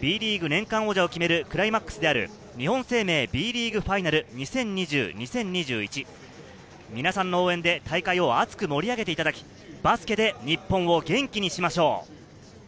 Ｂリーグ年間王者を決めるクライマックスである日本生命Ｂ．ＬＥＡＧＵＥＦＩＮＡＬＳ２０２０−２１、皆さんの応援で大会を熱く盛り上げていただき、バスケで日本を元気にしましょう。